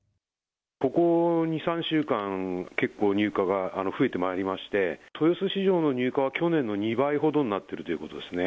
ここ２、３週間、結構、入荷が増えてまいりまして、豊洲市場の入荷は去年の２倍ほどになってるということですね。